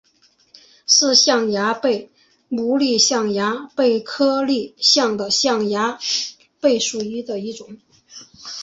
是象牙贝目丽象牙贝科丽象牙贝属的一种。